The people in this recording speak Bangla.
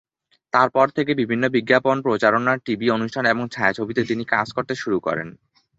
তারপর থেকেই বিভিন্ন বিজ্ঞাপন প্রচারণা, টিভি অনুষ্ঠান এবং ছায়াছবিতে তিনি কাজ করতে শুরু করেন।